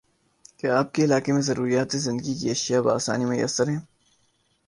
کیا آپ کے علاقے میں ضروریاتِ زندگی کی اشیاء باآسانی میسر ہیں؟